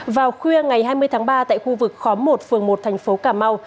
vào khuya ngày hai mươi tháng ba tại khu vực khóm một phường một thành phố cà mau